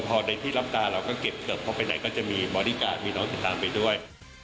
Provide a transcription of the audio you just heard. พอในที่รับตาเราก็เก็บเสิร์ฟเข้าไปไหนก็จะมีบอดี้การ์มีน้องติดตามไปด้วย